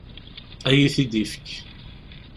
Ad iyi-t-id-ifek.